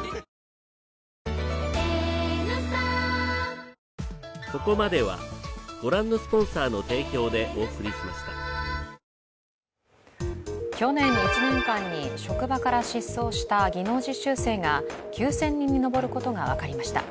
手巻おむすびふわうま去年１年間に職場から失踪した技能実習生が９０００人に上ることが分かりました。